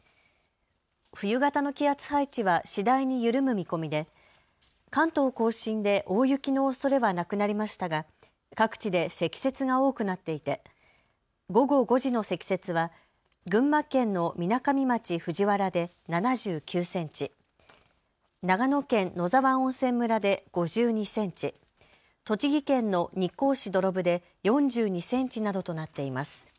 冬型の気圧配置は次第に緩む見込みで関東甲信で大雪のおそれはなくなりましたが各地で積雪が多くなっていて午後５時の積雪は群馬県のみなかみ町藤原で７９センチ、長野県野沢温泉村で５２センチ、栃木県の日光市土呂部で４２センチなどとなっています。